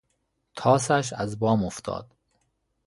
طاسش از بام افتاد